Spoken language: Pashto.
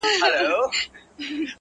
چي کسات د ملالیو راته واخلي -